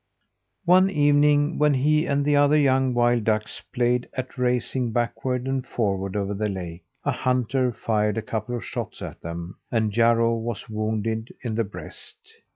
One evening, when he and the other young wild ducks played at racing backward and forward over the lake, a hunter fired a couple of shots at them, and Jarro was wounded in the breast.